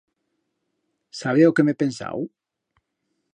Sabe o que m'he pensau?